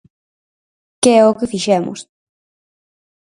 Que é o que fixemos.